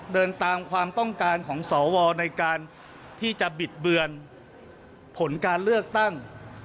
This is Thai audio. เดินตามความต้องการของสวในการที่จะบิดเบือนผลการเลือกตั้ง